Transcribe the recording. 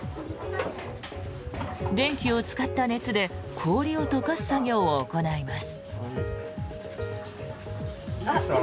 電気を使った熱で氷を溶かす作業を行います。